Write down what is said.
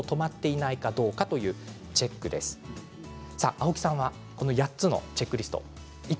青木さんはこの８つのチェックリスト